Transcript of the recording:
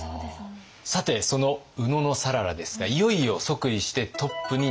さてその野讃良ですがいよいよ即位してトップになります。